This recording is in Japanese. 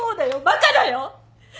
バカだよ！